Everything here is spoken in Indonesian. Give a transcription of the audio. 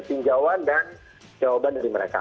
tinjauan dan jawaban dari mereka